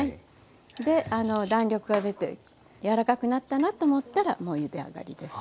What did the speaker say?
であの弾力が出て柔らかくなったなと思ったらもうゆで上がりです。